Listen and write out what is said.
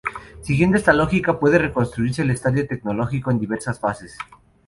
Siguiendo esta lógica puede reconstruirse el estadio tecnológico en diversas fases.